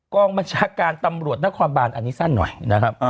กองบัญชาการตำรวจนครบานอันนี้สั้นหน่อยนะครับ